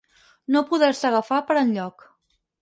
No poder-se agafar per enlloc.